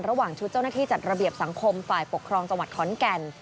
ระหว่างชุดเจ้าหน้าที่จัดระเบียบสังคมฝ่ายปกครองจังหวัดขอนแก่น